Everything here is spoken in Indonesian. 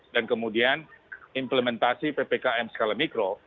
dan kemudian implementasi ppkm skala mikro